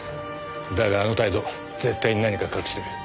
だがあの態度絶対に何か隠してる。